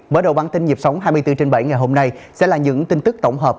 mở đầu bản tin nhịp sống hai mươi bốn trên bảy ngày hôm nay sẽ là những tin tức tổng hợp